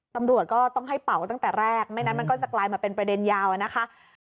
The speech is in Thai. ตำรวจก็ต้องให้เป่าตั้งแต่แรกไม่งั้นมันก็จะกลายมาเป็นประเด็นยาวนะคะ